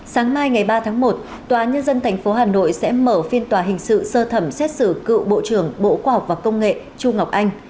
sáng mai ngày ba tháng một tòa nhân dân tp hà nội sẽ mở phiên tòa hình sự sơ thẩm xét xử cựu bộ trưởng bộ khoa học và công nghệ chu ngọc anh